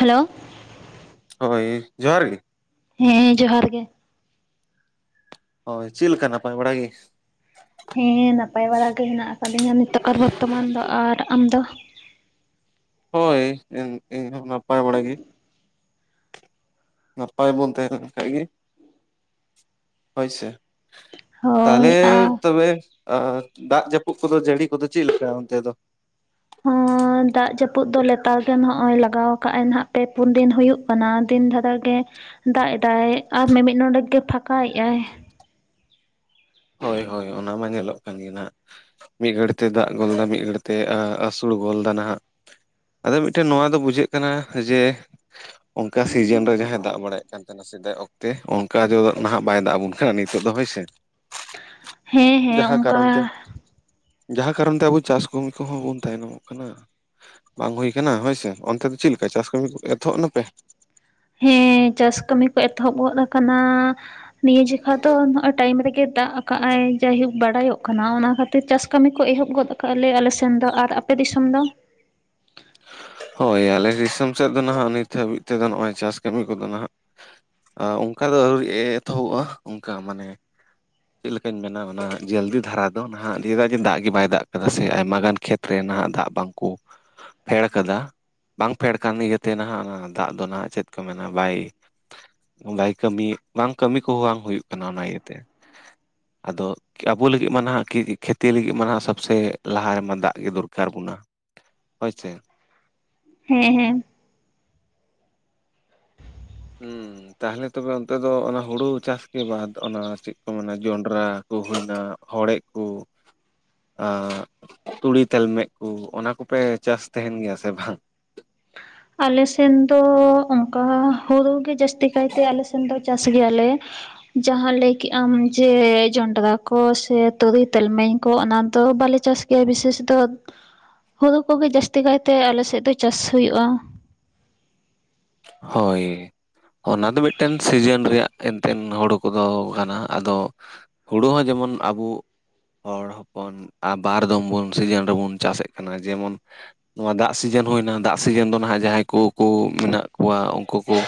Hello ᱦᱳᱭ, ᱡᱚᱦᱟᱨ ᱜᱮ ᱦᱮᱸᱡᱚᱦᱟᱨ ᱜᱮ ᱦᱳᱭ, ᱪᱮᱫ ᱞᱮᱠᱟ ᱱᱟᱯᱟᱭ ᱵᱟᱲᱟ ᱜᱮ? ᱦᱮᱸ ᱱᱟᱯᱟᱭ ᱵᱟᱲᱟ ᱜᱮ ᱦᱮᱱᱟᱜ ᱟᱠᱟᱫᱤᱧᱟ ᱱᱤᱛᱚᱜ ᱟᱨ ᱵᱚᱨᱛᱚᱢᱟᱱ ᱫᱚ ᱟᱨ ᱟᱢ ᱫᱚ? ᱦᱳᱭ ᱤᱧ ᱤᱧᱦᱚᱸ ᱱᱟᱯᱟᱭ ᱵᱟᱲᱟ ᱜᱮ᱾ ᱱᱟᱯᱟᱭ ᱵᱚᱱ ᱛᱟᱦᱮᱸ ᱞᱮᱱ ᱠᱷᱟᱡ ᱜᱮ ᱦᱳᱭ ᱥᱮ᱾ ᱦᱳᱭ ᱛᱟᱦᱞᱮ ᱟᱨ ᱛᱚᱵᱮ ᱟ ᱫᱟᱜ ᱡᱟᱹᱯᱩᱫ ᱠᱚᱫᱚ ᱡᱟᱹᱲᱤ ᱠᱚᱫᱚ ᱪᱮᱫᱞᱮᱠᱟ ᱚᱱᱛᱮ ᱫᱚ? ᱦᱚᱸ ᱫᱟᱜ ᱡᱟᱹᱯᱩᱫ ᱫᱚ ᱞᱮᱛᱟᱲ ᱜᱮ ᱱᱚᱜᱼᱚᱭ ᱞᱟᱜᱟᱣ ᱟᱠᱟᱫᱼ ᱟᱭ ᱱᱟᱦᱟᱜ ᱯᱮ ᱯᱩᱱ ᱫᱤᱱ ᱦᱩᱭᱩᱜ ᱠᱟᱱᱟ ᱫᱤᱱ ᱫᱷᱟᱨᱟ ᱜᱮ ᱫᱟᱜ ᱮᱫᱟᱭ ᱟᱨ ᱢᱤᱻᱢᱤᱫ ᱱᱚᱸᱰᱮᱠ ᱜᱮ ᱯᱷᱟᱸᱠᱟᱭᱮᱫ-ᱟᱭ᱾ ᱦᱳᱭ ᱦᱳᱭ ᱚᱱᱟ ᱢᱟ ᱧᱮᱞᱚᱜ ᱠᱟᱱ ᱜᱮ ᱱᱟᱦᱟᱜ᱾ ᱢᱤᱫ ᱜᱷᱟᱹᱲᱤ ᱛᱮ ᱫᱟᱜ ᱜᱚᱞ ᱫᱟ ᱢᱤᱫ ᱜᱷᱟᱹᱲᱤ ᱛᱮ ᱮ ᱟᱹᱥᱩᱲ ᱜᱚᱞ ᱫᱟ᱾ ᱟᱫᱚ ᱢᱤᱫᱴᱮᱱ ᱱᱚᱣᱟ ᱫᱚ ᱵᱩᱡᱷᱟᱹᱜ ᱠᱟᱱᱟ ᱡᱮ, ᱚᱱᱠᱟ ᱥᱤᱡᱟᱹᱱ ᱨᱮ ᱡᱟᱦᱟᱸ ᱫᱟᱜ ᱵᱟᱲᱟᱭᱮᱫ ᱠᱟᱱ ᱛᱟᱦᱮᱱᱟ᱾ ᱥᱮᱫᱟᱭ ᱚᱠᱛᱮ ᱚᱱᱠᱟ ᱫᱚ ᱱᱟᱦᱟᱜ ᱵᱟᱭ ᱫᱟᱜ ᱟᱵᱚᱱ ᱠᱟᱱᱟ ᱱᱤᱛᱚᱜ ᱫᱚ ᱦᱳᱭ ᱥᱮᱮ ᱾ ᱦᱮᱸ ᱦᱮᱸ ᱡᱟᱦᱟᱸ ᱚᱱᱠᱟ ᱠᱟᱨᱚᱱ ᱛᱮ ᱡᱟᱦᱟᱸ ᱠᱟᱨᱚᱱ ᱛᱮ ᱟᱵᱚ ᱪᱟᱥ ᱠᱟᱹᱢᱤ ᱠᱚᱦᱚᱸ ᱵᱚᱱ ᱛᱟᱭᱱᱚᱢᱚᱜ ᱠᱟᱱᱟ ᱾ ᱵᱟᱝ ᱦᱩᱭ ᱟᱠᱟᱱᱟ ᱦᱳᱭᱥᱮ, ᱚᱱᱛᱮ ᱫᱚ ᱪᱮᱫ ᱞᱮᱠᱟ ᱪᱟᱥ ᱠᱟᱹᱢᱤ ᱠᱚ ᱮᱛᱚᱦᱚᱵ ᱱᱟᱯᱮ? ᱦᱮᱸ ᱪᱟᱥ ᱠᱟᱹᱢᱤ ᱠᱚ ᱮᱛᱚᱦᱚᱵ ᱜᱚᱫ ᱠᱟᱱᱟ ᱱᱤᱭᱟᱹ ᱡᱮᱠᱷᱟ ᱫᱚ ᱱᱚᱜ-ᱚᱭ ᱴᱟᱭᱤᱢ ᱨᱮᱜᱮ ᱫᱟᱜ ᱟᱠᱟᱜ ᱟᱭ ᱡᱟᱭ ᱦᱳᱠ ᱵᱟᱰᱟᱭᱚᱜ ᱠᱟᱱᱟ ᱚᱱᱟ ᱠᱷᱟᱹᱛ ᱪᱟᱥ ᱠᱟᱹᱢᱤ ᱠᱚ ᱮᱦᱚᱵ ᱜᱚᱫ ᱟᱠᱟᱫ ᱟᱞᱮᱻᱟᱞᱮᱥᱮᱱ ᱫᱚ ᱟᱨ ᱟᱯᱮ ᱫᱤᱥᱚᱢ ᱫᱚ ᱦᱳᱭ ᱟᱞᱮ ᱫᱤᱥᱚᱢ ᱥᱮᱫ ᱫᱚ ᱱᱟᱦᱟᱜ ᱱᱤᱛ ᱦᱟᱹᱵᱤᱡ ᱛᱮᱫᱚ ᱱᱚᱜᱼᱚᱭ ᱪᱟᱥ ᱠᱟᱹᱢᱤ ᱠᱚᱫᱚ ᱱᱟᱦᱟᱜ ᱟᱸ ᱚᱱᱠᱟ ᱫᱚ ᱟᱹᱣᱨᱤ ᱮ ᱮᱛᱚᱦᱚᱵᱚᱜᱼᱟ ᱚᱱᱠᱟ ᱢᱟᱱᱮ ᱪᱮᱫ ᱞᱮᱠᱟᱧ ᱢᱮᱱᱟ ᱚᱱᱟ ᱡᱟᱹᱞᱫᱤ ᱫᱷᱟᱨᱟ ᱫᱚ ᱱᱟᱦᱟᱜ ᱱᱤᱭᱟᱹᱫᱟᱜ ᱡᱮ ᱫᱟᱜ ᱜᱮ ᱵᱟᱭ ᱫᱟᱜ ᱠᱟᱫᱟ ᱥᱮ ᱟᱭᱢᱟ ᱜᱟᱱ ᱠᱷᱮᱛ ᱨᱮ ᱱᱟᱦᱟᱜ ᱫᱟᱜ ᱵᱟᱝᱠᱩ ᱯᱷᱮᱲ ᱠᱟᱫᱟ ᱵᱟᱝ ᱯᱷᱮᱲ ᱠᱟᱱ ᱤᱭᱟᱹᱛᱮ ᱱᱟᱦᱟᱜ ᱚᱱᱟ ᱫᱟᱜ ᱫᱚ ᱱᱟᱦᱟᱜ ᱪᱮᱫ ᱠᱚ ᱢᱮᱱᱟ ᱵᱟᱭ ᱵᱟᱭ ᱠᱟᱹᱢᱤ ᱵᱟᱝ ᱠᱟᱹᱢᱤ ᱠᱚᱦᱚᱸ ᱵᱟᱝ ᱦᱳᱭᱳᱜ ᱠᱟᱱᱟ ᱚᱱᱟ ᱤᱭᱟᱹᱛᱮ ᱟᱫᱚ ᱟᱵᱚ ᱞᱟᱹᱜᱤᱫ ᱢᱟ ᱱᱟᱦᱟᱜ ᱠᱤ ᱠᱷᱮᱛᱤ ᱞᱟᱹᱜᱤᱫ ᱢᱟ ᱱᱟᱦᱟᱜ ᱥᱚᱵᱥᱮ ᱞᱟᱦᱟ ᱨᱮᱢᱟ ᱫᱟᱜ ᱜᱮ ᱫᱚᱨᱠᱟᱨ ᱵᱚᱱᱟ ᱦᱭ ᱥᱮ ᱾ ᱦᱮᱸ ᱦᱮᱸ ᱾ ᱦᱸ ᱛᱟᱦᱚᱞᱮ ᱛᱚᱵᱮ ᱚᱱᱛᱮ ᱫᱚ ᱚᱱᱟ ᱦᱩᱲᱩ ᱪᱟᱥ ᱠᱮ ᱵᱟᱫ ᱚᱱᱟ ᱪᱮᱫ ᱠᱚ ᱢᱮᱱᱟ ᱡᱚᱱᱰᱨᱟ [inaudible] ᱦᱚᱲᱮᱜ ᱠᱚ ᱾ [unintelligible] ᱛᱩᱲᱤ ᱛᱞᱢᱮᱜ ᱠᱚ ᱚᱱᱟ ᱠᱚᱯᱮ ᱪᱟᱥ ᱛᱟᱦᱮᱱ ᱜᱮᱭᱟ ᱥᱮ ᱵᱟᱝ? ᱟᱞᱮᱥᱮᱱ ᱫᱚ ᱚᱱᱠᱟ ᱦᱩᱲᱩ ᱜᱮ ᱡᱟᱹᱥᱛᱤ ᱠᱟᱭᱛᱮ ᱟᱞ ᱥᱮᱱ ᱫᱚ ᱪᱟᱥ ᱜᱮᱭᱟᱞᱮ ᱾ ᱡᱟᱦᱟᱸ ᱞᱟᱹᱭ ᱠᱮᱜ ᱟᱢ ᱡᱮ ᱡᱚᱱᱰᱨᱟ ᱠᱚ ᱥᱮ ᱛᱩᱨᱩ ᱛᱮᱞᱢᱮᱧ ᱠᱚ ᱚᱱᱟ ᱫᱚ ᱵᱟᱞᱮ ᱪᱟᱥ ᱜᱮ ᱵᱤᱥᱮᱥ ᱫᱚ ᱦᱩᱲᱩ ᱠᱚᱜᱮ ᱡᱟᱹᱟᱥᱛᱤ ᱠᱟᱭᱛᱮ ᱟᱞᱮᱥᱮᱫ ᱫᱚ ᱪᱟᱥ ᱦᱩᱭᱩᱜᱼᱟ ᱾ ᱦᱳᱭ ᱚᱱᱟ ᱫᱚ ᱢᱤᱫᱴᱮᱱ ᱥᱤᱡᱤᱱ ᱨᱮᱭᱟᱜ ᱮᱱᱛᱮᱫ ᱦᱩᱲᱩ ᱠᱚᱫᱚ ᱠᱟᱱᱟ ᱟᱫᱚ ᱦᱳᱲᱳ ᱦᱚᱸ ᱡᱮᱢᱚᱱ ᱟᱵᱚ ᱦᱚᱲ ᱦᱚᱯᱚᱱ ᱵᱟᱨ ᱫᱚᱢ ᱵᱚᱱ ᱥᱤᱡᱤᱱ ᱨᱮᱵᱚᱱ ᱪᱟᱥ ᱮᱫ ᱠᱟᱱᱟ ᱡᱮᱢᱚᱱ ᱱᱚᱣᱟ ᱫᱟᱜ ᱥᱤᱡᱮᱱ ᱦᱩᱭᱱᱟ ᱫᱟᱜ ᱥᱤᱡᱮᱱ ᱫᱚ ᱱᱟᱦᱟᱸᱜ ᱡᱟᱦᱟᱸᱭ ᱠᱚ ᱠᱚ ᱢᱮᱱᱟᱜ ᱠᱚᱣᱟ ᱩᱱᱠᱩ ᱠᱚ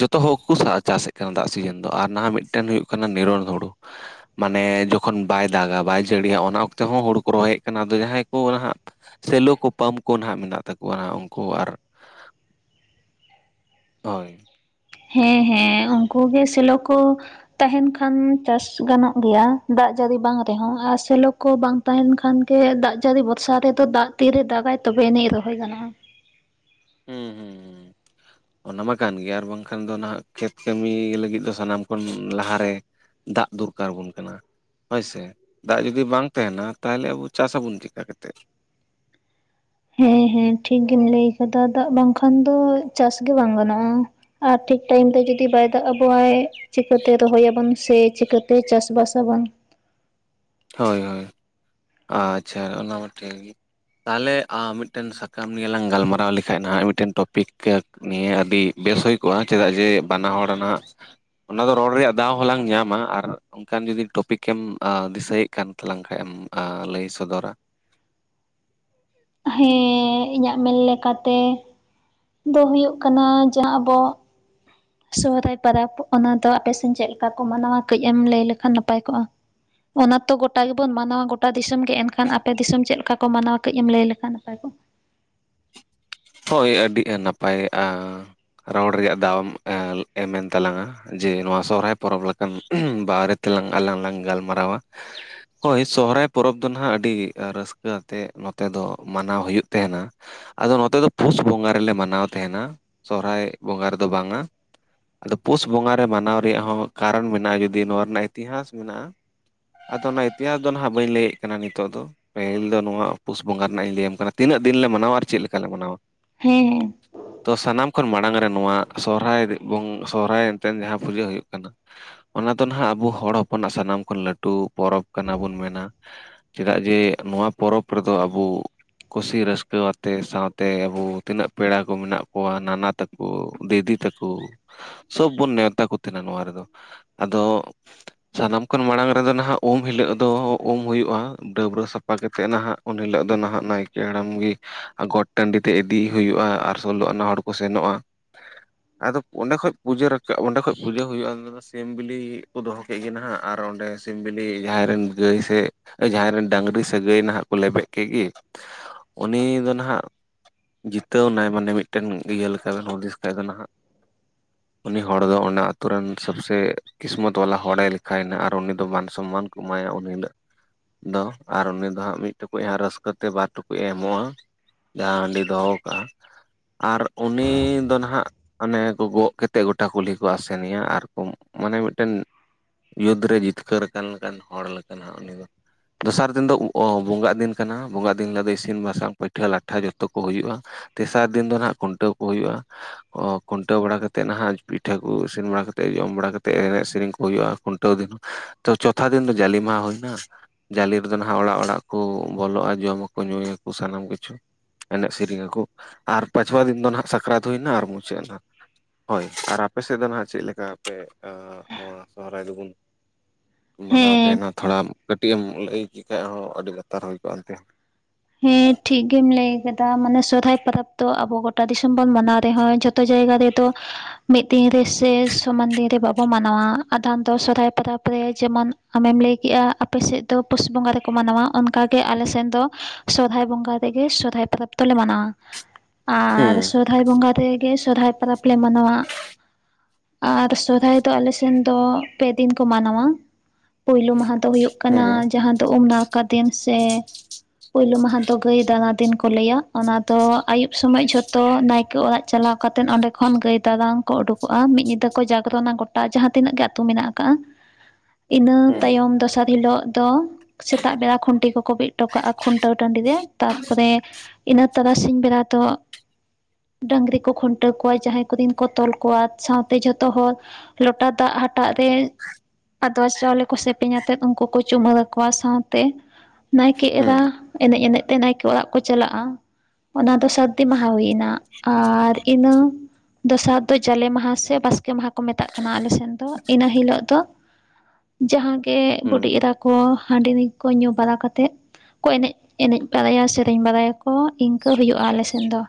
ᱡᱚᱛᱚ ᱦᱚᱲᱠᱚ ᱪᱟᱥᱮᱫ ᱠᱟᱱᱟ ᱫᱟᱜ ᱥᱤᱡᱮᱱ ᱫᱚ ᱟᱨ ᱱᱟᱦᱟᱜ ᱢᱤᱫᱴᱮᱱ ᱦᱩᱭᱩᱜ ᱠᱟᱱᱟ ᱱᱤᱨᱚᱱ ᱦᱩᱲᱳ ᱾ ᱢᱟᱱᱮ ᱡᱚᱠᱷᱚᱱ ᱵᱟᱭ ᱫᱟᱜᱟ ᱵᱟᱭ ᱡᱟᱹᱲᱤᱭᱟ ᱚᱱᱟ ᱚᱠᱛᱮᱚ ᱦᱚᱸ ᱦᱩᱲ ᱠᱚ ᱨᱚᱦᱚᱭᱮᱫ ᱠᱟᱱᱟ ᱟᱫᱚ ᱡᱟᱦᱟᱸᱭ ᱠᱚ ᱦᱟᱜ ᱥᱮᱞᱳ ᱠᱚ ᱯᱟᱢᱯ ᱠᱚ ᱱᱟᱦᱟᱜ ᱢᱮᱱᱟᱜ ᱛᱟᱠᱚᱣᱟ ᱱᱟ ᱩᱱᱠᱩ ᱟᱨ ᱦᱳᱭ ᱾ ᱦᱮᱸ ᱦᱮᱸ ᱩᱱᱠᱩ ᱜᱮ ᱥᱮᱞᱚ ᱠᱚ ᱛᱟᱦᱮᱱ ᱠᱷᱟᱱ ᱪᱟᱥ ᱜᱟᱱᱚᱜ ᱜᱮᱭᱟ ᱫᱟᱜ ᱡᱟᱹᱲᱤ ᱵᱟᱝ ᱨᱮᱦᱚᱸ ᱟᱨ ᱥᱮᱞᱚ ᱠᱚ ᱵᱟᱝ ᱛᱟᱦᱮᱱ ᱠᱷᱟᱱ ᱜᱮ ᱫᱟᱜ ᱡᱟᱹᱲᱤ ᱵᱚᱨᱥᱟ ᱨᱮᱫᱚ ᱫᱟᱜ ᱛᱤᱨᱮ ᱫᱟᱜᱟᱭ ᱛᱚᱵᱮ ᱮᱱᱮᱡ ᱨᱚᱦᱚᱭ ᱜᱟᱱᱚᱜᱼᱟ ᱾ ᱦᱩᱸ ᱦᱩᱸ ᱦᱩᱸ ᱾ ᱚᱱᱟ ᱢᱟ ᱠᱟᱱ ᱜᱮᱭᱟ ᱟᱨ ᱵᱟᱝᱠᱷᱟᱱ ᱫᱚ ᱱᱟᱦᱟᱜ ᱠᱷᱮᱛ ᱠᱟᱹᱢᱤ ᱞᱟᱹᱜᱤᱫ ᱫᱚ ᱥᱟᱱᱟᱢ ᱠᱷᱚᱱ ᱞᱟᱦᱟᱨᱮ ᱫᱟᱜ ᱫᱚᱨᱠᱟᱨ ᱟᱵᱚᱱ ᱠᱟᱱᱟ ᱾ ᱦᱳᱭᱥᱮ ᱫᱟᱜ ᱡᱩᱫᱤ ᱵᱟᱝ ᱛᱟᱦᱮᱱᱟ ᱛᱟᱦᱚᱞᱮ ᱟᱵᱚ ᱪᱟᱥ ᱟᱵᱚᱱ ᱪᱤᱠᱟ ᱠᱟᱛᱮᱫ? ᱦᱮᱸ ᱦᱮᱸ ᱴᱷᱤᱠ ᱜᱮᱢ ᱞᱟᱹᱭ ᱟᱠᱟᱫᱟ ᱫᱟᱜ ᱵᱟᱝᱠᱷᱟᱱ ᱫᱚ ᱪᱟᱥ ᱜᱮ ᱵᱟᱝ ᱜᱟᱱᱚᱜᱼᱟ ᱾ ᱟᱨ ᱴᱷᱤᱠ ᱴᱟᱭᱤᱢ ᱛᱮ ᱡᱩᱫᱤ ᱵᱟᱭ ᱫᱟᱜ ᱟᱵᱚᱣᱟᱭ ᱪᱤᱠᱟᱹᱛᱮ ᱨᱚᱦᱚᱭᱟᱵᱚᱱ ᱥᱮ ᱪᱤᱠᱟᱹᱛᱮ ᱪᱟᱥ ᱵᱟᱥ ᱟᱵᱚᱱ ᱾ ᱦᱳᱭ ᱦᱳᱭ ᱾ ᱟᱪᱪᱷᱟ ᱚᱱᱟ ᱢᱟ ᱴᱷᱤᱠ ᱜᱮ ᱾ ᱛᱟᱦᱚᱞᱮ ᱟ ᱢᱤᱫᱴᱮᱱ ᱥᱟᱠᱟᱢ ᱱᱤᱭᱟᱹ ᱞᱟᱝ ᱜᱟᱞᱢᱟᱨᱟᱣ ᱞᱮᱠᱷᱟᱡ ᱱᱟᱦᱟᱜ ᱢᱤᱫᱴᱮᱱ ᱴᱚᱯᱤᱠ ᱱᱤᱭᱟᱹ ᱟᱹᱰᱤ ᱵᱮᱥ ᱦᱩᱭ ᱠᱚᱜᱼᱟ ᱪᱮᱫᱟᱜ ᱡᱮ ᱵᱟᱱᱟ ᱦᱚᱲᱱᱟᱜ ᱚᱱᱟ ᱫᱚ ᱨᱚᱲ ᱨᱮᱭᱟᱜ ᱫᱟᱣ ᱦᱚᱸᱞᱟᱝ ᱧᱟᱢᱟ ᱟᱨ ᱚᱱᱠᱟᱱ ᱡᱩᱫᱤ ᱴᱚᱯᱤᱠ ᱮᱢ ᱟ ᱫᱤᱥᱟᱹᱭᱮᱫ ᱠᱟᱱ ᱛᱟᱞᱟᱝ ᱠᱷᱟᱱᱮᱢ ᱟ ᱞᱟᱹᱭ ᱥᱚᱫᱚᱨᱟ ᱾ ᱦᱮᱸ ᱤᱧᱟᱹᱜ ᱢᱮᱱ ᱞᱮᱠᱟᱛᱮ ᱫᱚ ᱦᱩᱭᱩᱜ ᱠᱟᱱᱟ ᱡᱟᱦᱟᱸ ᱟᱵᱚ ᱥᱚᱦᱚᱨᱟᱭ ᱯᱚᱨᱟᱵᱽ ᱚᱱᱟ ᱫᱚ ᱟᱯᱮᱥᱱ ᱪᱮᱫ ᱞᱮᱠᱟ ᱠᱚ ᱢᱟᱱᱟᱣᱟ ᱠᱟᱺᱡ ᱮᱢ ᱞᱟᱹᱭ ᱞᱮᱠᱷᱟᱱ ᱱᱟᱯᱟᱭ ᱠᱚᱜᱼᱟ ᱚᱱᱟ ᱛᱚ ᱜᱚᱴᱟ ᱜᱮᱵᱚᱱ ᱢᱟᱱᱟᱣᱟ ᱜᱚᱴᱟ ᱫᱤᱥᱚᱢ ᱜᱮ ᱮᱱᱠᱷᱟᱱ ᱟᱯᱮ ᱫᱤᱥᱚᱢ ᱪᱮᱫ ᱞᱮᱠᱟ ᱠᱚ ᱢᱟᱱᱟᱣᱟ ᱠᱟᱹᱡ ᱮᱢ ᱞᱟᱹᱭ ᱞᱮᱠᱷᱟᱱ ᱱᱟᱯᱟᱭ ᱠᱚᱜᱼᱟ ᱾ ᱦᱳᱭ ᱟᱹᱰᱤ ᱱᱟᱯᱟᱭ ᱟ ᱨᱚᱲ ᱨᱮᱭᱟᱜ ᱫᱟᱣᱮᱢ ᱮᱢᱮᱱ ᱛᱟᱞᱟᱝᱟ ᱾ ᱡᱮ ᱱᱚᱣᱟ ᱥᱚᱦᱚᱨᱟᱭ ᱯᱚᱨᱚᱵᱽ ᱞᱮᱠᱟᱱ ᱵᱟᱨᱮ ᱛᱮᱞᱟᱝ ᱟᱞᱟᱝ ᱞᱟᱝ ᱜᱟᱞᱢᱟᱨᱟᱣ-ᱟ ᱦᱳᱭ ᱥᱚᱦᱚᱨᱟᱭ ᱯᱚᱨᱚᱵᱽ ᱫᱚ ᱱᱟᱦᱟᱜ ᱟᱹᱰᱤ ᱨᱟᱹᱥᱠᱟᱹ ᱟᱛᱮ ᱱᱚᱛᱮ ᱫᱚ ᱢᱟᱱᱟᱣ ᱦᱩᱭᱩᱜ ᱛᱟᱦᱮᱸᱱᱟ ᱟᱫᱚ ᱱᱚᱛᱮ ᱫᱚ ᱯᱩᱥ ᱵᱚᱸᱜᱟ ᱨᱮᱞᱮ ᱢᱟᱱᱟᱣ ᱛᱟᱦᱮᱱᱟ ᱥᱚᱦᱚᱨᱟᱭ ᱵᱚᱸᱜᱟ ᱨᱮᱫᱚ ᱵᱟᱝ-ᱟ ᱟᱫᱚ ᱯᱩᱥ ᱵᱚᱸᱜᱟ ᱨᱮ ᱢᱟᱱᱟᱣ ᱨᱮᱭᱟᱜ ᱦᱚᱸ ᱠᱟᱨᱚᱱ ᱢᱮᱱᱟᱜᱼᱟ ᱡᱩᱫᱤ ᱱᱚᱣᱟ ᱨᱮᱱᱟᱜ ᱤᱛᱤᱦᱟᱥ ᱢᱮᱱᱟᱜᱼᱟ ᱾ ᱟᱫᱚ ᱚᱱᱟ ᱤᱛᱤᱦᱟᱥ ᱫᱚ ᱱᱟᱦᱟᱜ ᱵᱟᱹᱧ ᱞᱟᱹᱭᱮᱫ ᱠᱟᱱᱟ ᱱᱤᱛᱚᱜ ᱫᱚ ᱾ ᱯᱟᱹᱦᱤᱞ ᱫᱚ ᱱᱚᱣᱟ ᱯᱩᱥ ᱵᱚᱸᱜᱟ ᱨᱮᱱᱟᱜ ᱤᱧ ᱞᱟᱹᱭᱟᱢ ᱠᱟᱱᱟ ᱛᱤᱱᱟᱹᱜ ᱫᱤᱱ ᱞᱮ ᱢᱟᱱᱟᱣᱟ ᱟᱨ ᱪᱮᱫ ᱞᱮᱠᱟᱞᱮ ᱢᱟᱱᱟᱣᱟ ᱾ ᱦᱮᱸ ᱦᱮᱸ ᱾ ᱛᱚ ᱥᱟᱱᱟᱢ ᱠᱷᱚᱱ ᱢᱟᱲᱟᱝ ᱨᱮ ᱱᱚᱣᱟ ᱥᱚᱨᱦᱟᱭ [unintelligible] ᱥᱚᱨᱦᱟᱭ ᱮᱱᱛᱮ ᱡᱟᱦᱟᱸ ᱯᱩᱡᱟᱹ ᱦᱩᱭᱩᱜ ᱠᱟᱱᱟ ᱾ ᱚᱱᱟ ᱫᱚ ᱦᱟᱜ ᱟᱵᱚ ᱦᱚᱲ ᱦᱚᱯᱚᱱᱟᱜ ᱥᱟᱱᱟᱢ ᱠᱷᱚᱱ ᱞᱟᱹᱴᱩ ᱯᱚᱨᱚᱵᱽ ᱠᱟᱱᱟ ᱵᱚᱱ ᱢᱮᱱᱟ ᱾ ᱪᱮᱫᱟᱜ ᱡᱮ ᱱᱚᱣᱟ ᱯᱚᱨᱚᱵᱽ ᱨᱮᱫᱚ ᱟᱵᱩ ᱠᱩᱥᱤ ᱨᱟᱹᱥᱠᱟᱹ ᱟᱛᱮ ᱥᱟᱶᱛᱮ ᱥᱮ ᱟᱵᱚ ᱛᱤᱱᱟᱹᱜ ᱯᱮᱲᱟ ᱠᱚ ᱢᱮᱱᱟᱜ ᱠᱚᱣᱟ ᱱᱟᱱᱟ ᱛᱟᱠᱚ ᱫᱤᱫᱤ ᱛᱟᱠᱚ ᱾ ᱥᱚᱵ ᱵᱚᱱ ᱱᱮᱶᱛᱟ ᱠᱚ ᱛᱟᱦᱮᱱᱟ ᱱᱚᱣᱟ ᱨᱮᱫᱚ ᱟᱫᱚ ᱥᱟᱱᱟᱢ ᱠᱷᱚᱱ ᱢᱟᱲᱟᱝ ᱨᱮᱫᱚ ᱱᱟᱦᱟᱜ ᱩᱢ ᱦᱤᱞᱳᱜ ᱫᱚ ᱩᱢ ᱦᱩᱭᱩᱜᱼᱟ ᱰᱟᱹᱵᱽᱨᱟᱹ ᱥᱟᱯᱷᱟ ᱥᱟᱯᱟ ᱠᱟᱛᱮᱫ ᱱᱟᱦᱟᱜ ᱩᱱ ᱦᱤᱞᱳᱜ ᱫᱚ ᱱᱟᱦᱟᱜ ᱱᱟᱭᱠᱮ ᱦᱟᱲᱟᱢ ᱜᱮ ᱜᱚᱴ ᱴᱟᱺᱰᱤ ᱛᱮ ᱤᱫᱤ ᱦᱩᱭᱩᱜᱼᱟ ᱟᱨ ᱥᱳᱞᱳ ᱟᱱᱟ ᱦᱚᱲ ᱠᱚ ᱥᱮᱱᱚᱜᱼᱟ ᱟᱫᱚ ᱚᱸᱰᱮ ᱠᱷᱚᱡ ᱯᱩᱡᱟᱹ ᱨᱟᱠᱟᱜ ᱚᱸᱰᱮ ᱠᱷᱚᱡ ᱯᱩᱡᱟᱹ ᱦᱩᱭᱩᱜᱼᱟ ᱥᱤᱢ ᱵᱤᱞᱤ ᱠᱚ ᱫᱚᱦᱚ ᱠᱮᱜ ᱜᱮ ᱱᱟᱦᱟᱜ ᱟᱨ ᱚᱸᱰᱮ ᱥᱤᱢ ᱵᱤᱞᱤ ᱡᱟᱦᱟᱸᱭ ᱨᱮᱱ ᱜᱟᱹᱭ ᱥᱮ ᱡᱟᱦᱟᱸᱭ ᱨᱮᱱ ᱰᱟᱝᱨᱤ ᱥᱮ ᱥᱟᱹᱜᱟᱹᱭ ᱱᱟᱦᱟᱜ ᱠᱚ ᱞᱮᱵᱮᱫ ᱠᱮᱫ ᱜᱮ ᱩᱱᱤ ᱫᱚ ᱱᱟᱦᱟᱜ ᱡᱤᱛᱟᱹᱣ ᱮᱱᱟᱭ ᱢᱟᱱᱮ ᱢᱤᱫᱴᱮᱱ ᱤᱭᱟᱹ ᱞᱮᱠᱟ ᱵᱮᱱ ᱦᱩᱫᱤᱥ ᱠᱷᱟᱱ ᱫᱚ ᱱᱟᱦᱟᱜ ᱩᱱᱤ ᱦᱚᱲ ᱫᱚ ᱚᱱᱟ ᱟᱛᱩ ᱨᱮᱱ ᱥᱚᱵᱥᱮ ᱠᱤᱥᱢᱚᱛ ᱵᱟᱞᱟ ᱦᱚᱲᱮ ᱞᱮᱠᱷᱟᱭᱱᱟ ᱟᱨ ᱩᱱᱤ ᱫᱚ ᱢᱟᱱ ᱥᱚᱱᱢᱟᱱ ᱮᱢᱟᱭᱟ ᱩᱱ ᱦᱤᱞᱳᱜ ᱫᱚ ᱟᱨ ᱩᱱᱤ ᱫᱚ ᱦᱟᱸᱜ ᱢᱤᱫ ᱴᱩᱠᱩᱡ ᱦᱟᱸᱜ ᱨᱟᱹᱥᱠᱟᱹᱛᱮ ᱵᱟᱨ ᱴᱩᱠᱩᱡ ᱮᱢᱚᱜᱼᱟ ᱡᱟᱦᱟᱸᱭ ᱦᱟᱺᱰᱤᱭ ᱫᱚᱦᱚ ᱠᱟᱜᱼᱟ ᱟᱨ ᱩᱱᱤ ᱫᱚ ᱱᱟᱦᱟᱜ ᱚᱱᱮ ᱠᱚ ᱜᱚᱜ ᱠᱟᱛᱮᱫ ᱜᱚᱴᱟ ᱠᱩᱞᱦᱤ ᱠᱚ ᱟᱥᱮᱱᱮᱭᱟ ᱟᱨᱠᱚ ᱢᱟᱱᱮ ᱢᱤᱫᱴᱮᱱ ᱡᱩᱛ ᱨᱮ ᱡᱤᱛᱠᱟᱹᱨ ᱟᱠᱟᱱ ᱞᱮᱠᱟᱱ ᱦᱚᱲ ᱞᱮᱠᱟ ᱦᱟᱜ ᱩᱱᱤ ᱫᱚᱥᱟᱨ ᱫᱤᱱ ᱫᱚ ᱵᱚᱸᱜᱟᱜ ᱫᱤᱱ ᱠᱟᱱᱟ ᱵᱚᱸᱜᱟ ᱫᱤᱱ ᱦᱤᱞᱳᱜ ᱫᱚ ᱤᱥᱤᱱ ᱵᱟᱥᱟᱝ ᱯᱤᱴᱷᱟᱹ ᱞᱟ ᱴᱷᱟ ᱡᱚᱛᱚ ᱠᱚ ᱦᱩᱭᱩᱜᱼᱟ ᱛᱮᱥᱟᱨ ᱫᱤᱱ ᱫᱚ ᱟᱸᱜ ᱠᱷᱩᱱᱴᱟᱹᱣ ᱠᱚ ᱦᱩᱭᱩᱜᱼᱟ ᱠᱷᱩᱱᱴᱟᱹᱣ ᱵᱟᱲᱟ ᱠᱟᱛᱮᱜ ᱱᱟᱦᱟᱜ ᱯᱤᱴᱷᱟᱹ ᱠᱚ ᱤᱥᱤᱱ ᱵᱟᱲᱟ ᱠᱟᱛᱮᱫ ᱡᱚᱢ ᱵᱟᱲᱟ ᱠᱟᱛᱮᱜ ᱮᱱᱮᱡ ᱥᱮᱨᱮᱧ ᱠᱚ ᱦᱩᱭᱩᱜᱼᱟ ᱠᱷᱩᱱᱴᱟᱹᱣ ᱫᱤᱱ ᱛᱚ ᱪᱚᱛᱷᱟ ᱫᱤᱱ ᱫᱚ ᱡᱟᱞᱮ ᱢᱟᱦᱟ ᱦᱩᱭᱱᱟ ᱡᱟᱞᱮ ᱨᱮᱫᱚ ᱱᱟᱦᱟᱜ ᱚᱲᱟᱜ ᱚᱲᱟᱜ ᱠᱚ ᱵᱚᱞᱚᱜᱼᱟ ᱡᱚᱢᱟᱠᱚ ᱧᱩᱭᱟᱠᱚ ᱥᱟᱱᱟᱢ ᱠᱤᱪᱷᱩ ᱮᱱᱮᱡ ᱥᱮᱨᱮᱧ ᱟᱠᱚ ᱟᱨ ᱯᱟᱸᱪᱷᱣᱟ ᱫᱤᱱ ᱫᱚ ᱱᱟᱦᱟᱜ ᱥᱟᱠᱨᱟᱛ ᱦᱩᱭᱱᱟ ᱟᱨ ᱢᱩᱪᱟᱹᱫ ᱱᱟ ᱦᱳᱭ ᱟᱨ ᱟᱯᱮ ᱥᱮᱫ ᱫᱚ ᱱᱟᱦᱟᱜ ᱪᱮᱫ ᱞᱮᱠᱟ ᱥᱮ ᱮ ᱱᱚᱣᱟ ᱥᱚᱦᱨᱟᱭ ᱫᱚᱵᱚᱱ ᱢᱟᱱᱟᱣ ᱦᱮᱸ ᱛᱟᱦᱮᱱᱟ ᱛᱷᱚᱲᱟ ᱠᱟ. ᱴᱤᱭᱮᱢ ᱞᱟ. ᱭ ᱠᱮ ᱠᱷᱟᱡ ᱦᱚᱸ ᱟᱹᱰᱤ ᱞᱟᱛᱟᱨ ᱦᱩᱭ ᱠᱚᱜᱼᱟ ᱮᱱᱛᱮ ᱦᱮᱸ ᱴᱷᱤᱠ ᱜᱮᱢ ᱞᱟᱹᱭ ᱟᱠᱟᱫᱟ ᱢᱟᱱᱮ ᱥᱚᱨᱚᱦᱟᱭ ᱯᱚᱨᱟᱽ ᱫᱚ ᱟᱵᱚ ᱜᱚᱴᱟ ᱫᱤᱥᱚᱢ ᱵᱚᱱ ᱢᱟᱱᱟᱣ ᱨᱮᱦᱚᱸ ᱡᱚᱷᱛᱚ ᱡᱟᱭᱜᱟ ᱨᱮ ᱫᱚ ᱢᱤᱫ ᱫᱤᱱ ᱨᱮᱥᱮ ᱥᱚᱢᱟᱱ ᱫᱤᱱ ᱨᱮ ᱵᱟᱵᱚ ᱢᱟᱱᱟᱣᱟ ᱟᱫᱷᱚᱢ ᱫᱚ ᱥᱚᱦᱨᱟᱭ ᱯᱚᱨᱚᱵᱽ ᱨᱮ ᱡᱮᱢᱚᱱ ᱟᱢᱮᱢ ᱞᱟᱹᱭ ᱠᱮᱜᱼᱟ ᱟᱯᱮ ᱥᱮᱫ ᱫᱚ ᱯᱩᱥ ᱵᱚᱸᱜᱟ ᱨᱮᱠᱚ ᱢᱟᱱᱟᱣᱟ ᱚᱱᱠᱟᱜᱮ ᱟᱞᱮ ᱥᱮᱱ ᱫᱚ ᱥᱚᱨᱦᱟᱭ ᱵᱚᱸᱜᱟ ᱨᱮᱜᱮ ᱥᱚᱦᱨᱟᱭ ᱯᱚᱨᱚᱵᱽ ᱫᱚᱞᱮ ᱢᱟᱱᱟᱣᱟ ᱦᱮᱸ ᱟᱨ ᱥᱚᱦᱨᱟᱭ ᱵᱚᱸᱜᱟ ᱨᱮ ᱜᱮ ᱥᱚᱨᱚᱦᱟᱭ ᱯᱚᱨᱚᱵᱽ ᱞᱮ ᱢᱟᱱᱟᱣᱟ ᱟᱨ ᱥᱚᱨᱦᱟᱭ ᱫᱚ ᱟᱞᱮᱥᱮᱱ ᱫᱚ ᱯᱮ ᱫᱤᱱ ᱠᱚ ᱢᱟᱱᱟᱣᱟ ᱯᱩᱭᱞᱳ ᱢᱟᱦᱟ ᱫᱚ ᱦᱩᱭᱩᱜ ᱠᱟᱱᱟ ᱦᱮᱸ ᱡᱟᱦᱟᱸ ᱫᱚ ᱩᱢ ᱱᱟᱲᱠᱟ ᱫᱤᱱ ᱥᱮ ᱯᱩᱭᱞᱳ ᱢᱟᱦᱟ ᱫᱚ ᱜᱟᱹᱭ ᱫᱟᱱᱟ ᱫᱤᱱ ᱠᱚ ᱞᱟᱹᱭᱟ ᱚᱱᱟ ᱫᱚ ᱟᱭᱩᱵ ᱥᱚᱢᱚᱭ ᱡᱷᱚᱛᱚ ᱱᱟᱭᱠᱮ ᱚᱲᱟᱜ ᱪᱟᱞᱟᱣ ᱠᱟᱛᱮᱫ ᱚᱸᱰᱮ ᱠᱷᱚᱱ ᱜᱟᱹᱭ ᱫᱟᱨᱟᱱ ᱠᱚ ᱩᱰᱩᱠᱚᱜᱼᱟ ᱢᱤᱫ ᱧᱤᱫᱟᱹ ᱠᱚ ᱡᱟᱜᱽᱨᱚᱱᱟ ᱜᱚᱴᱟ ᱡᱟᱦᱟᱸ ᱛᱤᱱᱟᱹᱜ ᱜᱮ ᱟᱹᱛᱩ ᱢᱮᱱᱟᱜ ᱠᱟᱜ-ᱟ [inaudible] ᱤᱱᱟᱹ ᱦᱮᱸ ᱛᱟᱭᱚᱢ ᱫᱚᱥᱟᱨ ᱦᱤᱞᱚᱜ ᱫᱚ ᱥᱮᱛᱟᱜ ᱵᱮᱲᱟ ᱠᱷᱩᱱᱴᱤ ᱠᱚᱠᱚ ᱵᱤᱫ ᱦᱚᱴᱚ ᱠᱟᱜᱼᱟ ᱠᱷᱩᱱᱴᱟᱹᱣ ᱴᱟᱺᱰᱤ ᱨᱮ ᱛᱟᱨᱯᱚᱨᱮ ᱤᱱᱟᱹ ᱛᱚᱨᱟ ᱥᱤᱧ ᱵᱮᱲᱟ ᱫᱚ ᱰᱟᱹᱟᱝᱨᱤ ᱠᱚ ᱠᱷᱩᱱᱴᱟᱹᱣ ᱠᱚᱣᱟ ᱡᱟᱦᱟᱸᱭ ᱠᱚ ᱨᱤᱱ ᱠᱚ ᱛᱚᱞ ᱠᱚᱣᱟ ᱥᱟᱶᱛᱮ ᱡᱷᱚᱛᱚ ᱦᱚᱲ ᱞᱚᱴᱟ ᱫᱟᱜ ᱦᱟᱴᱟᱜ ᱨᱮ ᱟᱫᱽᱣᱟ ᱪᱟᱣᱞᱮ ᱠᱚ ᱥᱮᱯᱮᱧ ᱟᱛᱮᱜ ᱩᱱᱠᱩ ᱠᱚ ᱪᱩᱢᱟᱹᱨ ᱟᱠᱚᱣᱟ ᱥᱟᱶᱛᱮ ᱱᱟᱭᱠᱮ ᱮᱨ ᱦᱮᱸ ᱨᱟ ᱮᱱᱮᱡ ᱮᱱᱮᱡ ᱛᱮ ᱱᱟᱭᱠᱮ ᱚᱲᱟᱜ ᱠᱚ ᱪᱟᱞᱟᱜᱼᱟ ᱚᱱᱟ ᱫᱚ ᱥᱟᱹᱨᱫᱤ ᱢᱟᱦᱟ ᱦᱩᱭᱱᱟ ᱟᱨ ᱤᱱᱟᱹ ᱫᱚᱥᱟᱨ ᱫᱚ ᱡᱟᱞᱮ ᱢᱟᱦᱟ ᱥᱮ ᱵᱟᱥᱠᱮ ᱢᱟᱦᱟ ᱠᱚ ᱢᱮᱛᱟᱜ ᱠᱟᱱᱟ ᱟᱞᱮᱥᱮᱱ ᱫᱚ ᱤᱱᱟᱹ ᱦᱤᱞᱳᱜ ᱫᱚ ᱡᱟᱦᱟᱸ ᱜᱮ ᱦᱮᱸ ᱵᱩᱰᱤ ᱮᱨᱟ ᱠᱚ ᱦᱟᱺᱰᱤ ᱠᱚ ᱧᱩ ᱵᱟᱲᱟ ᱠᱟᱛᱮᱜ ᱠᱚ ᱮᱱᱮᱡ ᱮᱱᱮᱡ ᱵᱟᱲᱟᱭᱟ ᱥᱮᱨᱮᱧ ᱵᱟᱲᱟᱭᱟᱠᱚ ᱤᱱᱠᱟᱹ ᱦᱩᱭᱩᱜᱼᱟ ᱟᱞᱮᱥᱮᱱ ᱫᱚ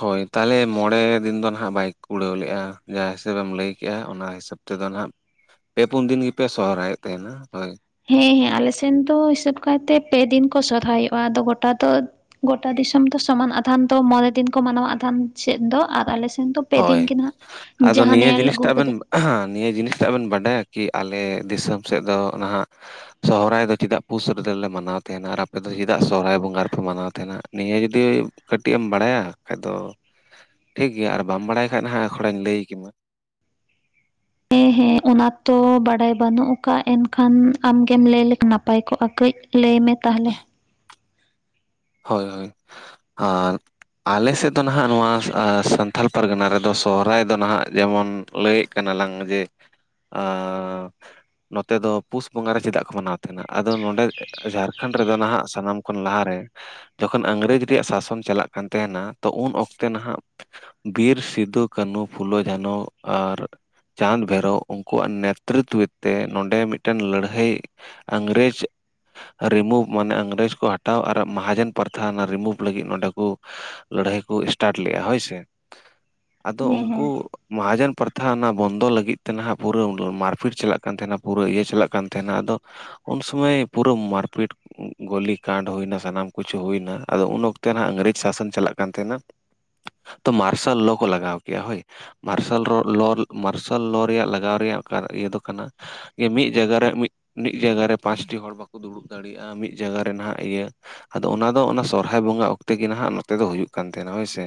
ᱦᱳᱭ ᱛᱟᱦᱚᱞᱮ ᱢᱚᱬᱮ ᱫᱤᱱ ᱫᱚ ᱱᱟᱦᱟᱜ ᱵᱟᱭ ᱠᱩᱲᱟᱹᱣ ᱞᱮᱜᱼᱟ ᱡᱟᱦᱟᱸ ᱦᱤᱥᱟᱹᱵᱮᱢ ᱞᱟᱹᱭ ᱠᱮᱜᱼᱟ ᱚᱱᱟ ᱦᱤᱥᱟᱹᱵ ᱛᱮᱫᱚ ᱱᱟᱦᱟᱜ ᱯᱮ ᱯᱩᱱ ᱫᱤᱱ ᱜᱮᱯᱮ ᱥᱚᱦᱚᱨᱟᱭᱚᱜ ᱛᱟᱦᱮᱱᱟ ᱦᱳᱭ ᱦᱮᱸ ᱦᱮᱸ ᱟᱞᱮᱥᱮᱱ ᱫᱚ ᱦᱤᱥᱟᱹᱵ ᱠᱟᱭᱛᱮ ᱯᱮ ᱫᱤᱱ ᱠᱚ ᱥᱚᱨᱦᱟᱭ ᱦᱩᱭᱩᱜᱼᱟ ᱟᱫᱚ ᱜᱚᱴᱟ ᱫᱚ ᱜᱚᱴᱟ ᱫᱤᱥᱚᱢ ᱫᱚ ᱥᱚᱢᱟᱱ ᱟᱫᱷᱟᱱ ᱫᱚ ᱢᱚᱬᱮ ᱫᱤᱱ ᱠᱚ ᱢᱟᱱᱟᱣᱟ ᱟᱫᱷᱟᱱ ᱥᱮᱫ ᱫᱚ ᱟᱨ ᱟᱞᱮᱥᱮᱫ ᱫᱚ ᱯᱮ ᱫᱤᱱ ᱦᱳᱭ ᱜᱮ ᱱᱟᱦᱟᱜ ᱡᱟᱦᱟᱸ ᱱᱮᱞ ᱟᱹᱜᱩ ᱠᱟ. ᱫᱟ. ᱧ ᱦᱮ ᱱᱤᱭᱟᱹ ᱡᱤᱱᱤᱥ ᱴᱟᱜ ᱵᱤᱱ ᱵᱟᱰᱟᱭᱟ ᱠᱤ ᱟᱞᱮ ᱫᱤᱥᱚᱢ ᱥᱮᱫ ᱫᱚ ᱱᱟᱦᱟᱜ ᱥᱚᱦᱚᱨᱟᱭ ᱫᱚ ᱪᱮᱫᱟᱜ ᱯᱩᱥ ᱨᱮᱫᱚᱞᱮ ᱢᱟᱱᱟᱣ ᱛᱟᱦᱮᱱᱟ ᱟᱨ ᱟᱯᱮ ᱫᱚ ᱪᱮᱫᱟᱜ ᱥᱚᱦᱚᱨᱟᱭ ᱵᱚᱸᱜᱟ ᱨᱮᱯᱮ ᱢᱟᱱᱟᱣ ᱛᱟᱦᱮᱱᱟ ᱱᱤᱭᱟᱹ ᱡᱩᱚᱫᱤ ᱠᱟᱹᱴᱤᱡ ᱮᱢ ᱵᱟᱲᱟᱭᱟ ᱠᱷᱟᱡ ᱫᱚ ᱴᱷᱤᱠᱜᱮᱭᱟ ᱟᱨ ᱵᱟᱢ ᱵᱟᱲᱟᱭ ᱠᱷᱟᱡ ᱦᱟᱸᱜ ᱠᱷᱚᱲᱟᱧ ᱞᱟᱹᱭ ᱠᱮᱢᱟ ᱦᱮᱸ ᱦᱮᱸ ᱚᱱᱟ ᱛᱚ ᱵᱟᱰᱟᱭ ᱵᱟᱹᱱᱩᱜ ᱠᱟᱫ ᱮᱱᱠᱷᱟᱱ ᱟᱢ ᱜᱮᱢ ᱞᱟᱹᱭ ᱞᱮᱠᱷᱟᱱ ᱱᱟᱯᱟᱭ ᱠᱚᱜᱼᱟ ᱠᱟᱹᱡ ᱞᱟᱹᱭ ᱢᱮ ᱛᱟᱦᱚᱞᱮ ᱦᱳᱭ ᱦᱳᱭ ᱟᱫ ᱟᱞᱮ ᱥᱮᱫ ᱫᱚ ᱱᱟᱦᱟᱜ ᱱᱚᱣᱟ ᱥᱟᱱᱛᱟᱞ ᱯᱟᱨᱜᱟᱱᱟ ᱨᱮᱫᱚ ᱥᱚᱦᱚᱨᱟᱭ ᱫᱚ ᱱᱟᱦᱟᱜ ᱡᱮᱢᱚᱱ ᱞᱟᱹᱭ ᱠᱟᱱᱟ ᱞᱟᱝ ᱡᱮ ᱱᱚᱛᱮ ᱫᱚ ᱯᱩᱥ ᱵᱚᱸᱜᱟ ᱨᱮ ᱪᱮᱫᱟᱜ ᱠᱚ ᱢᱟᱱᱟᱣ ᱛᱟᱦᱮᱱᱟ ᱟᱫᱚ ᱱᱚᱰᱮ ᱡᱷᱟᱲᱠᱷᱚᱸᱰ ᱨᱮᱫᱚ ᱱᱟᱦᱟᱜ ᱥᱟᱱᱟᱢ ᱠᱷᱚᱱ ᱞᱟᱦᱟ ᱨᱮ ᱡᱚᱠᱷᱚᱱ ᱤᱝᱨᱮᱡᱽ ᱨᱮᱭᱟᱜ ᱥᱟᱥᱚᱱ ᱪᱟᱞᱟᱜ ᱠᱟᱱ ᱛᱟᱦᱮᱱᱟ ᱛᱚ ᱩᱱ ᱚᱠᱛᱮ ᱱᱟᱦᱟᱜ ᱵᱤᱨ ᱥᱤᱫᱩ ᱠᱟᱹᱱᱦᱩ ᱯᱷᱩᱞᱳ ᱡᱷᱟᱱᱚ ᱟᱨ ᱪᱟᱸᱫᱽ ᱵᱷᱳᱭᱨᱳ ᱩᱱᱠᱩᱣᱟᱜ ᱱᱮᱛᱨᱤᱛᱚ ᱛᱮ ᱱᱚᱰᱮ ᱢᱤᱫᱴᱮᱱ ᱞᱟᱹᱲᱦᱟᱹᱭ ᱤᱝᱨᱮᱡᱽ ᱨᱤᱢᱩᱵᱷ ᱢᱟᱱᱮ ᱤᱝᱨᱮᱹᱡᱽ ᱠᱚ ᱦᱟᱹᱴᱟᱣ ᱟᱨ ᱢᱟᱦᱟᱡᱮᱱ ᱯᱨᱛᱷᱟ ᱨᱤᱢᱩᱵᱷ ᱞᱟᱹᱜᱤᱫ ᱱᱚᱰᱮ ᱠᱚ ᱞᱟᱹᱲᱦᱟᱹᱭ ᱠᱚ ᱮᱥᱴᱟᱴ ᱞᱮᱜᱼᱟ ᱦᱳᱭ ᱥᱮ ᱟᱫᱚ ᱦᱮᱸ ᱩᱱᱠᱩ ᱦᱮᱸ ᱢᱚᱦᱟᱡᱚᱱ ᱯᱨᱛᱷᱟ ᱚᱱᱟ ᱵᱚᱱᱫᱚ ᱞᱟᱹᱜᱤᱫ ᱛᱮ ᱱᱟᱦᱟᱜ ᱯᱩᱨᱟᱹ ᱢᱟᱨᱯᱷᱤᱴ ᱪᱟᱞᱟᱜ ᱠᱟᱱ ᱛᱟᱦᱮᱱᱟ ᱯᱩᱨᱟᱹ ᱤᱭᱟᱹ ᱪᱟᱞᱟᱜ ᱠᱟᱱ ᱛᱟᱦᱮᱱᱟ ᱟᱫᱚ ᱩᱱ ᱥᱩᱢᱟᱹᱭ ᱯᱩᱨᱟᱹ ᱢᱟᱨᱯᱤᱴ ᱜᱚᱞᱤ ᱠᱟᱰ ᱦᱩᱭ ᱱᱟ ᱥᱟᱱᱟᱢ ᱠᱤᱪᱷᱩ ᱦᱩᱭᱱᱟ ᱟᱫᱚ ᱩᱱ ᱚᱠᱛᱮ ᱱᱟᱦᱟᱜ ᱤᱝᱨᱮᱹᱡᱽ ᱥᱟᱥᱚᱱ ᱪᱟᱞᱟᱜ ᱠᱟᱱ ᱛᱟᱦᱮᱱᱟ ᱛᱚ ᱢᱟᱨᱥᱟᱞ ᱞᱚ ᱠᱚ ᱞᱟᱜᱟᱣ ᱠᱮᱭᱟ ᱦᱳᱭ ᱢᱟᱨᱥᱟᱞ ᱞᱚ ᱢᱟᱨᱥᱟᱞ ᱞᱚ ᱨᱮᱭᱟᱜ ᱞᱟᱜᱟᱣ ᱨᱮᱭᱟᱜ ᱤᱭᱟᱹ ᱫᱚ ᱠᱟᱱᱟ [unintelligible] ᱢᱤᱫ ᱡᱟᱭᱜᱟ ᱢᱤᱫ ᱡᱟᱭᱜᱟ ᱯᱟᱸᱪᱴᱤ ᱦᱚᱲ ᱵᱟᱠᱚ ᱫᱩᱲᱩᱵ ᱫᱟᱲᱤᱭᱟᱜᱼᱟ ᱢᱤᱫ ᱡᱟᱭᱜᱟ ᱱᱟᱦᱟᱜ ᱤᱭᱟᱹ ᱟᱫᱚ ᱚᱱᱟ ᱫᱚ ᱚᱱᱟ ᱥᱚᱦᱟᱨᱟᱭ ᱵᱚᱸᱜᱟ ᱚᱠᱛᱮ ᱜᱮ ᱱᱟᱦᱟᱜ ᱱᱚᱛᱮ ᱫᱚ ᱦᱩᱭᱩᱜ ᱠᱟᱱ ᱛᱟᱦᱮᱱᱟ ᱦᱳᱭ ᱥᱮ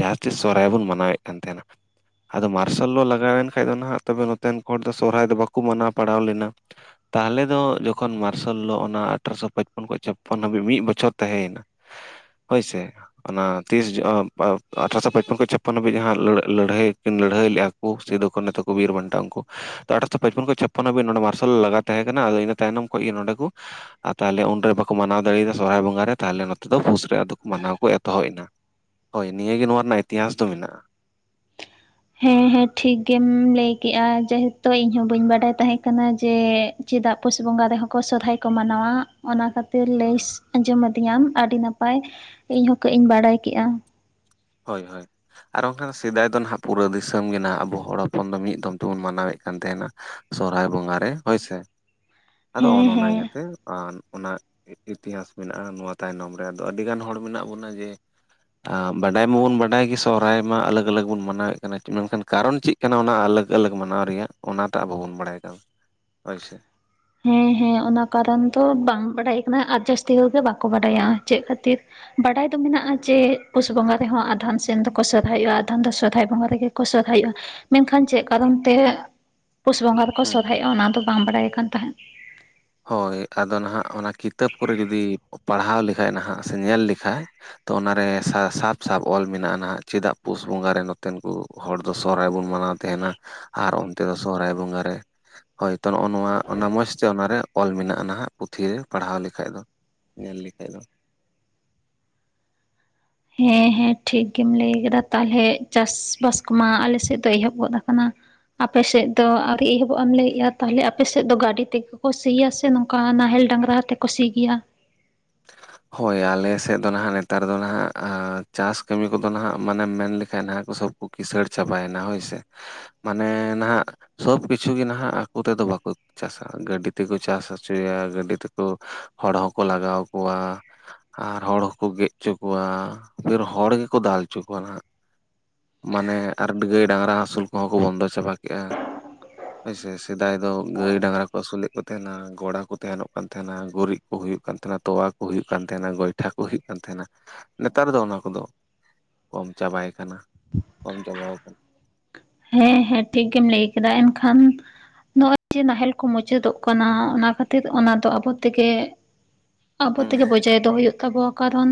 ᱡᱟᱦᱟᱛᱮ ᱥᱚᱦᱚᱨᱟᱭ ᱵᱚᱱ ᱢᱟᱱᱟᱣ ᱮᱫ ᱠᱟᱱ ᱛᱟᱦᱮᱱᱟ ᱟᱫᱚ ᱢᱟᱨᱥᱟᱞ ᱞᱚ ᱞᱟᱜᱟᱣ ᱮᱱ ᱠᱷᱟᱱ ᱫᱚ ᱱᱟᱦᱟᱜ ᱛᱚᱵᱮ ᱱᱚᱛᱮᱱ ᱦᱚᱲ ᱫᱚ ᱥᱚᱨᱦᱟᱭ ᱫᱚ ᱵᱟᱠᱚ ᱢᱟᱱᱟᱣ ᱯᱟᱲᱟᱣ ᱞᱮᱱᱟ ᱛᱟᱦᱚᱞᱮ ᱫᱚ ᱡᱚᱠᱷᱚᱱ ᱢᱟᱨᱥᱟᱞ ᱞᱚ ᱚᱱᱟ ᱟᱴᱷᱨᱚᱥᱚ ᱯᱚᱪᱯᱚᱱ ᱠᱷᱚᱱ ᱪᱟᱯ ᱢᱤᱫ ᱵᱚᱪᱷᱚᱨ ᱛᱟᱦᱮᱸᱭᱮᱱᱟ ᱦᱳᱭ ᱥᱮ ᱚᱱᱟ ᱛᱤᱥ ᱟᱴᱷᱨᱚᱥᱚ ᱯᱚᱪᱯᱚᱱ ᱠᱷᱚᱱᱚ ᱪᱷᱟᱯᱱᱚ ᱦᱟᱹᱵᱤᱡ ᱡᱟᱦᱟᱸ ᱞᱟᱹᱲᱦᱟᱹᱭ ᱠᱤᱱ ᱞᱟᱹᱲᱦᱟᱹᱭ ᱞᱮᱭᱼᱟ ᱠᱩ ᱥᱤᱫᱩ ᱠᱟᱹᱱᱦᱩ ᱛᱟᱠᱚ ᱵᱤᱨ ᱵᱟᱱᱴᱟ ᱩᱱᱠᱩ ᱟᱴᱷᱮᱨᱚᱥᱚ ᱯᱟᱸᱪᱯᱚᱱ ᱠᱷᱚᱱ ᱪᱷᱟᱯᱚᱱ ᱦᱟᱵᱤᱡ ᱱᱚᱰᱮ ᱢᱟᱨᱥᱟᱞ ᱞᱟᱜᱟ ᱛᱟᱦᱮᱸ ᱠᱟᱱᱟ ᱤᱱᱟᱹ ᱛᱟᱭᱱᱚᱢ ᱠᱷᱚᱱ ᱱᱚᱰᱮ ᱠᱚ ᱟᱨ ᱛᱟᱦᱚᱞᱮ ᱩᱱᱨᱮ ᱵᱟᱠᱚ ᱠᱚ ᱢᱟᱱᱟᱣ ᱫᱟᱲᱮᱭ ᱟᱫᱟ ᱥᱚᱨᱦᱟᱭ ᱵᱚᱸᱜᱟ ᱨᱮ ᱛᱟᱦᱚᱞᱮ ᱱᱚᱛᱮ ᱫᱚ ᱯᱩᱥ ᱨᱮ ᱟᱫᱚ ᱢᱟᱱᱟᱣ ᱠᱚ ᱮᱛᱚᱦᱚᱵ ᱮᱱᱟ ᱦᱳᱭ ᱱᱤᱭᱟᱹ ᱜᱮ ᱱᱚᱣᱟ ᱨᱮᱱᱟᱜ ᱤᱛᱤᱦᱟᱸᱥ ᱫᱚ ᱢᱮᱱᱟᱜᱼᱟ ᱦᱮᱸ ᱦᱮᱸ ᱴᱷᱤᱠ ᱜᱮᱢ ᱞᱟᱹᱭ ᱠᱮᱜ ᱡᱮᱦᱩᱛᱩ ᱤᱧ ᱦᱚᱸ ᱵᱟᱹᱧ ᱵᱟᱰᱟᱭ ᱛᱟᱦᱮᱸ ᱠᱟᱱᱟ ᱡᱮ ᱪᱮᱫᱟᱜ ᱯᱩᱥ ᱵᱚᱸᱜᱟ ᱨᱮᱦᱚᱸ ᱠᱚ ᱥᱚᱦᱚᱨᱟᱭ ᱠᱚ ᱢᱟᱱᱟᱣ-ᱟ ᱚᱱᱟ ᱠᱷᱟᱹᱛᱤᱨ ᱞᱟᱹᱭ ᱟᱸᱡᱚᱢ ᱟᱹᱫᱤᱧᱟᱢ ᱟᱹᱰᱤ ᱱᱟᱯᱟᱭ ᱤᱧ ᱦᱚ ᱠᱟᱹᱡ ᱤᱧ ᱵᱟᱲᱟᱭ ᱠᱮᱫᱼᱟ ᱦᱳᱭ ᱦᱳᱭ ᱟᱨ ᱵᱟᱝᱠᱷᱟᱱ ᱥᱮᱫᱟᱭ ᱫᱚ ᱱᱟᱦᱟᱜ ᱯᱩᱨᱟᱹ ᱫᱤᱥᱚᱢ ᱜᱮ ᱱᱟᱦᱟᱜ ᱟᱵᱚ ᱦᱚᱲ ᱦᱚᱯᱚᱱ ᱫᱚ ᱢᱤᱫ ᱫᱚᱢ ᱛᱮᱵᱚᱱ ᱢᱟᱱᱟᱣ ᱮᱫ ᱠᱟᱱ ᱛᱟᱦᱮᱱᱟ ᱥᱚᱨᱦᱟᱭ ᱵᱚᱸᱜᱟ ᱨᱮ ᱦᱳᱭ ᱥᱮ ᱟᱫᱚ ᱚᱱ ᱦᱮᱸ ᱚᱱᱟ ᱦᱮᱸ ᱤᱭᱟᱹᱛᱮ [unintelligible] ᱚᱱᱟ ᱤᱛᱤᱛᱤᱦᱟᱸᱥ ᱢᱮᱱᱟᱜᱼᱟ ᱱᱚᱣᱟ ᱛᱟᱭᱱᱚᱢ ᱨᱮ ᱟᱫᱚ ᱟᱹᱰᱤ ᱜᱟᱱ ᱦᱚᱲ ᱢᱮᱱᱟᱜ ᱵᱚᱱᱟ ᱡᱮ ᱟᱨᱢ [unintelligible] ᱵᱟᱰᱟᱭ ᱢᱟᱵᱚᱱ ᱵᱟᱰᱟᱭ ᱜᱮ ᱥᱚᱦᱚᱨᱟᱭ ᱢᱟ ᱟᱞᱟᱜᱽ ᱟᱞᱟᱜᱽ ᱵᱚᱱ ᱢᱟᱱᱟᱣ ᱮᱫ ᱠᱟᱱᱟ ᱢᱮᱱᱠᱷᱟᱱ ᱠᱟᱨᱚᱱ ᱪᱮᱫ ᱠᱟᱱᱟ ᱚᱱᱟ ᱟᱞᱟᱜᱽᱼᱟᱞᱟᱜᱽ ᱢᱟᱱᱟᱣ ᱨᱮᱭᱟᱜ ᱚᱱᱟᱛᱮ ᱟᱵᱚ ᱵᱚᱱ ᱵᱟᱰᱟᱭ ᱠᱟᱱᱟ ᱦᱳᱭ ᱥᱮ ᱦᱮᱸ ᱦᱮᱸ ᱚᱱᱟ ᱠᱟᱨᱚᱱ ᱫᱚ ᱵᱟᱝ ᱵᱟᱰᱟᱭ ᱠᱟᱱᱟ ᱟᱨ ᱡᱟᱹᱥᱛᱤ ᱦᱚᱲᱜ ᱜᱮ ᱵᱟᱠᱚ ᱵᱟᱰᱟᱭᱟ ᱪᱮᱫ ᱠᱷᱟᱹᱛᱤᱨ ᱵᱟᱰᱟᱭ ᱫᱚ ᱢᱮᱱᱟᱜᱼᱟ ᱡᱮ ᱯᱩᱥ ᱵᱚᱸᱜᱟ ᱨᱮᱦᱚᱸ ᱟᱫᱷᱮᱱ ᱥᱮᱱ ᱫᱚᱠᱚ ᱥᱚᱨᱦᱟᱭᱚᱜᱼᱟ ᱟᱫᱷᱟᱱ ᱫᱚ ᱥᱚᱨᱦᱟᱭ ᱵᱚᱸᱜᱟ ᱨᱮᱜᱮ ᱠᱚ ᱥᱚᱨᱦᱟᱭ ᱢᱮᱱᱠᱷᱟᱱ ᱪᱮᱫ ᱠᱟᱨᱚᱱ ᱛᱮ ᱯᱩᱥ ᱵᱚᱸᱜᱟ ᱠᱚ ᱦᱮᱸ ᱥᱚᱨᱦᱟᱭᱚᱜᱼᱟ ᱚᱱᱟ ᱫᱚ ᱵᱟᱝ ᱵᱟᱰᱟᱭ ᱠᱟᱱ ᱛᱟᱦᱮᱸᱫ ᱦᱳᱭ ᱟᱫᱚ ᱱᱟᱦᱟᱜ ᱚᱱᱟ ᱠᱤᱛᱟᱹᱵ ᱠᱚᱨᱮ ᱡᱩᱫᱤ ᱯᱟᱲᱦᱟᱣ ᱞᱮᱠᱷᱟᱡ ᱱᱟᱦᱟᱜ ᱥᱮ ᱧᱮᱞ ᱞᱮᱠᱷᱟ ᱛᱚ ᱚᱱᱟᱨᱮ ᱥᱟᱵ ᱥᱟᱵ ᱚᱞ ᱢᱮᱱᱟᱜᱼᱟ ᱪᱮᱫᱟᱜ ᱯᱩᱥ ᱵᱚᱸᱜᱟ ᱨᱮ ᱱᱚᱛᱮᱱ ᱠᱚ ᱦᱚᱲ ᱫᱚ ᱥᱚᱨᱦᱟᱭ ᱵᱚᱱ ᱢᱟᱱᱟᱣ ᱛᱟᱦᱮᱱᱟ ᱟᱨ ᱚᱱᱛᱮ ᱫᱚ ᱥᱚᱨᱦᱟᱭ ᱵᱚᱸᱜᱟ ᱨᱮ ᱦᱳᱭ ᱛᱚ ᱱᱚᱜᱼᱚ ᱱᱚᱣᱟ ᱚᱱᱟ ᱢᱚᱸᱡᱽ ᱛᱮ ᱚᱱᱟᱨᱮ ᱚᱞ ᱢᱮᱱᱟᱜᱼᱟ ᱱᱟᱦᱟᱜ ᱯᱩᱛᱷᱷᱤ ᱨᱮ ᱯᱟᱲᱦᱟᱣ ᱞᱮᱠᱷᱟᱡ ᱫᱚ ᱧᱮᱞ ᱞᱮᱠᱟᱱ ᱫᱚ ᱦᱮᱸ ᱦᱮᱸ ᱴᱷᱤᱠ ᱜᱮᱢ ᱞᱟᱹᱭ ᱠᱮᱫᱟ ᱛᱟᱦᱚᱞᱮ ᱪᱟᱥ ᱵᱟᱥ ᱠᱚᱢᱟ ᱟᱞᱮ ᱥᱮᱫ ᱫᱚ ᱮᱦᱚᱵ ᱜᱚᱫ ᱠᱟᱱᱟ ᱟᱯᱮᱥᱮᱫ ᱫᱚ ᱟᱨ ᱮᱦᱚᱵᱚᱜ ᱮᱢ ᱞᱟᱹᱭᱮᱜᱼᱟ ᱛᱟᱦᱚᱞᱮ ᱟᱯᱮᱥᱮᱫ ᱫᱚ ᱜᱟᱹᱰᱤ ᱛᱮᱜᱮ ᱠᱚ ᱥᱤᱭᱟ ᱥᱮ ᱱᱚᱝᱠᱟ ᱚᱱᱠᱟ ᱱᱟᱦᱮᱞ ᱰᱟᱝᱨᱟ ᱛᱮ ᱠᱩ ᱥᱤ ᱜᱮᱭᱟ [inaudible] ᱦᱳᱭ ᱟᱞᱮᱥᱮᱫ ᱫᱚ ᱱᱟᱦᱟᱜ ᱱᱮᱛᱟᱨ ᱫᱚ ᱱᱟᱦᱟᱜ ᱪᱟᱥ ᱠᱟᱹᱢᱤ ᱠᱚᱫᱚ ᱱᱟᱦᱟᱜ ᱢᱟᱱᱮᱢ ᱢᱮᱱ ᱞᱮᱠᱷᱟᱱᱡ ᱱᱟᱦᱟᱜ ᱠᱚ ᱥᱳᱵ ᱠᱤᱥᱟᱹᱲ ᱪᱟᱵᱟᱭᱮᱱᱟ ᱦᱳᱭᱥᱮ ᱢᱟᱱᱮ ᱱᱟᱦᱟᱜ ᱥᱚᱵ ᱠᱤᱪᱷᱩ ᱜᱮ ᱱᱟᱦᱟᱜ ᱟᱠᱚ ᱛᱮᱫᱚ ᱵᱟᱠᱚ ᱪᱟᱥᱟ ᱜᱟᱹᱰᱤ ᱛᱮᱠᱚ ᱪᱟᱥ ᱦᱚᱪᱚᱭᱟ ᱜᱟᱹᱰᱤ ᱛᱮᱠᱚ ᱦᱚᱲ ᱦᱚᱸᱠᱚ ᱞᱟᱜᱟᱣ ᱠᱚᱣᱟ ᱟᱨ ᱦᱚᱲ ᱦᱚᱸᱠᱚ ᱜᱮᱫ ᱦᱚᱪᱚ ᱠᱚᱣᱟ ᱯᱷᱤᱨ ᱦᱚᱲ ᱜᱮᱠᱚ ᱫᱟᱞ ᱦᱚᱪᱚ ᱠᱚᱣᱟ ᱱᱟᱜ ᱢᱟᱱᱮ ᱟᱨ ᱜᱟᱹᱭ ᱰᱟᱝᱨᱟ ᱦᱟᱹᱥᱩᱞ ᱠᱚᱦᱚᱸ ᱠᱚ ᱵᱚᱱᱫᱚ ᱪᱟᱵᱟ ᱠᱮᱜᱼᱟ ᱦᱳᱭ ᱥᱮ ᱥᱮᱫᱟᱭ ᱫᱚ ᱜᱟᱹᱭ ᱰᱟᱝᱨᱟ ᱠᱚ ᱟᱹᱥᱩᱞᱮᱫ ᱠᱚ ᱛᱟᱦᱮᱱᱟ ᱜᱚᱲᱟ ᱠᱚ ᱛᱟᱦᱮᱱᱚᱜ ᱠᱟᱱ ᱛᱟᱦᱮᱱᱟ ᱜᱩᱨᱤᱡ ᱠᱚ ᱦᱩᱭᱩᱜ ᱠᱟᱱ ᱛᱟᱦᱮᱱᱟ ᱛᱚᱣᱟ ᱠᱚ ᱦᱩᱭᱩᱜ ᱠᱟᱱ ᱛᱟᱦᱮᱱᱟ ᱜᱚᱭᱴᱷᱟ ᱠᱚ ᱦᱩᱭᱩᱜ ᱠᱟᱱ ᱛᱟᱦᱮᱱᱟ ᱱᱮᱛᱟᱨ ᱫᱚ ᱚᱱᱟ ᱠᱚᱫᱚ ᱠᱚᱢ ᱪᱟᱵᱟᱭ ᱠᱟᱱᱟ ᱠᱚᱢ ᱪᱟᱵᱟᱣ ᱠᱟᱱᱟ ᱦᱮᱸ ᱦᱮᱸ ᱴᱷᱤᱠ ᱜᱮᱢ ᱞᱟᱹᱭ ᱠᱟᱫᱟ ᱮᱱᱠᱷᱟᱱ ᱱᱚᱜ ᱚᱚᱭ ᱡᱮ ᱱᱟᱦᱮᱞ ᱠᱚ ᱢᱩᱪᱟᱹᱫᱚᱜ ᱠᱟᱱᱟ ᱚᱱᱟ ᱠᱷᱟᱹᱛᱤᱨ ᱚᱱᱟ ᱫᱚ ᱟᱵᱚ ᱛᱮᱜᱮ ᱟᱵᱚ ᱦᱩᱸ ᱛᱮᱜᱮ ᱵᱚᱡᱟᱭ ᱫᱚ ᱦᱩᱭᱩᱜ ᱛᱟᱵᱚᱱᱟ ᱠᱟᱨᱚᱱ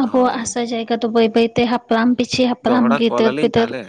ᱟᱵᱚᱣᱟᱜ ᱦᱳᱭ ᱟᱥᱟ ᱡᱟᱭᱜᱟ ᱫᱚ ᱵᱟᱹᱭ ᱵᱟᱹᱭᱛᱮ ᱦᱟᱯᱲᱟᱢ ᱯᱤᱪᱷᱤ ᱦᱟᱯᱲᱟᱢ ᱫᱚᱦᱲᱟ ᱜᱤᱫᱟ. ᱠᱚᱞ ᱨ ᱟᱹᱞᱤᱧ ᱯᱤᱫᱟᱹᱲ ᱛᱟᱦᱚᱞᱮ